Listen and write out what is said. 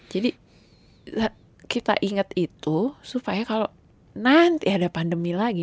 jadi kita inget itu supaya kalau nanti ada pandemi lagi